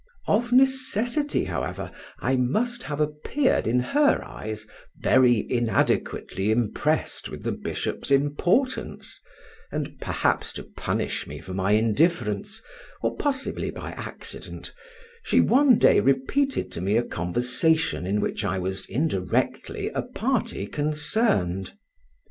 Of necessity, however, I must have appeared in her eyes very inadequately impressed with the bishop's importance, and, perhaps to punish me for my indifference, or possibly by accident, she one day repeated to me a conversation in which I was indirectly a party concerned.